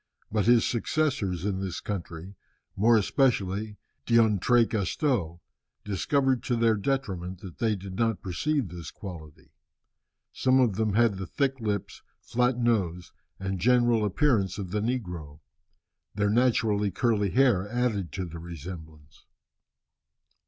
But his successors in this country, more especially D'Entrecasteaux, discovered to their detriment that they did not preserve this quality. Some of them had the thick lips, flat nose, and general appearance of the negro. Their naturally curly hair added to the resemblance.